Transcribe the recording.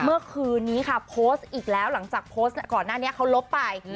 เมื่อคืนนี้ค่ะโพสต์อีกแล้วหลังจากโพสต์ก่อนหน้านี้เขาลบไป